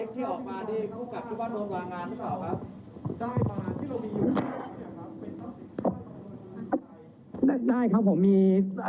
แต่ถ้าดูประสบการณ์คือเป็นถึงผู้บังคับปัญชาในสถานีอย่างนี้ค่ะ